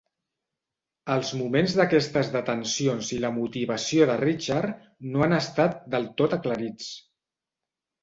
Els moments d'aquestes detencions i la motivació de Richard no han estat del tot aclarits.